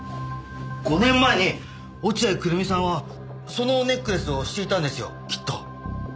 ５年前に落合久瑠実さんはそのネックレスをしていたんですよきっと。